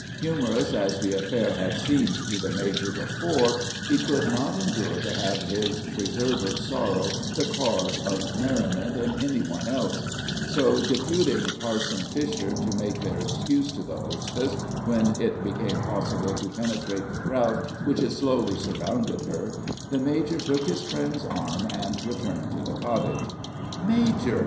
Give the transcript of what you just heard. Humorous as the affair had seemed to the major before, he could not endure to have his preserver's sorrow the cause of merriment in any one else; so, deputing Parson Fisher to make their excuse to the hostess when it became possible to penetrate the crowd which had slowly surrounded her, the major took his friend's arm and returned to the cottage. "Major!"